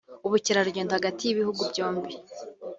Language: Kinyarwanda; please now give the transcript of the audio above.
ubukerarugendo hagati y’ibihugu byombi